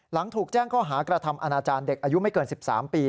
หลังถูกแจ้งข้อหากระทำอนาจารย์เด็กอายุไม่เกิน๑๓ปี